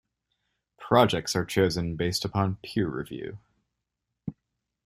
Projects are chosen based upon peer review.